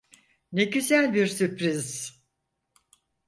Ne güzel bir sürpriz.